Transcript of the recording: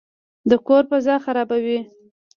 د کور فضا خرابوي.